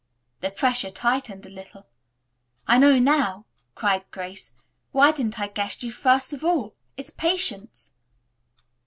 The pressure tightened a little. "I know now," cried Grace. "Why didn't I guess you first of all? It's Patience."